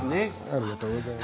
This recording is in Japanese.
ありがとうございます。